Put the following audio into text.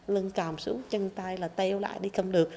lưng càm xuống chân tay là teo lại đi cầm được